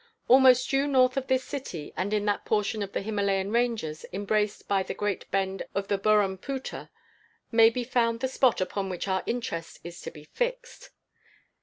Almost due north of this city, and in that portion of the Himalayan ranges embraced by the great bend of the Burrampooter, may be found the spot upon which our interest is to be fixed.